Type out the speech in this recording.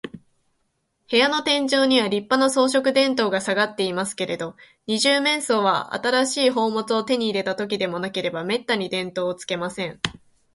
部屋の天井には、りっぱな装飾電燈がさがっていますけれど、二十面相は、新しい宝物を手に入れたときででもなければ、めったに電燈をつけません。